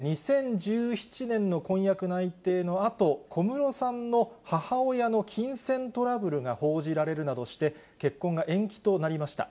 ２０１７年の婚約内定のあと、小室さんの母親の金銭トラブルが報じられるなどして、結婚が延期となりました。